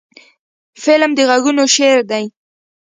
فلم د غږونو شعر دی